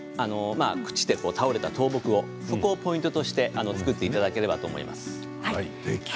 朽ちて倒れた倒木をポイントとして作っていただければと思います。